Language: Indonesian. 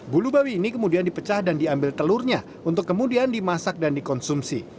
bulu bawi ini kemudian dipecah dan diambil telurnya untuk kemudian dimasak dan dikonsumsi